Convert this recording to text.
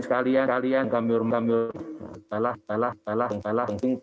sekalian kalian kami hormati